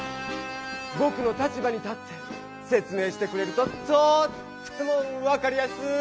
ぼくの立場に立って説明してくれるととっても分かりやすい！